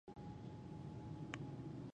دا تجربې د بيمې د پلورلو په برخه کې وې.